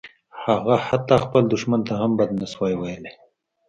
هغه حتی خپل دښمن ته هم بد نشوای ویلای